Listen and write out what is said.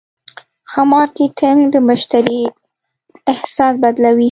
ښه مارکېټنګ د مشتری احساس بدلوي.